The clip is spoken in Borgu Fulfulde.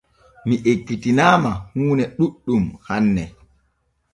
Mi ekkitinaama huune ɗuuɗɗum hanne.